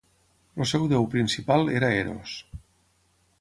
El seu déu principal era Eros.